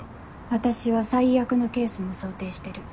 私は最悪のケースも想定してる。